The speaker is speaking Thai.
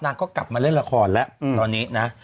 นางก็กลับมาเล่นละครแล้วตอนนี้นะ